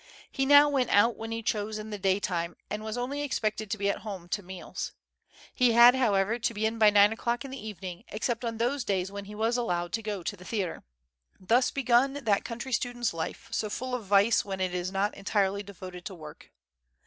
He now went out when he chose in the dajdime, and was only expected to be at home to meals. He had, however, to be in by nine o'clock in the evening, except on those days when he was allowed to go to the theatre. Thus begun that country student's life, so full of vice when it is not entirely devoted to work.